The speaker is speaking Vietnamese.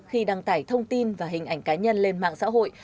khi đăng tải thông tin và hình ảnh cá nhân lên mạng xã hội